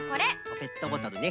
ペットボトルね。